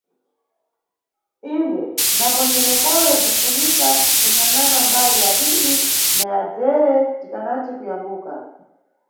Inde, napo nʼtenepoyo bzinʼfunika kunyangʼana mbali yadidi na yadzere tikanati Kuyambuka.